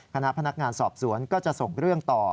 คณะพนักงานสอบสวนก็จะส่งเรื่องต่อ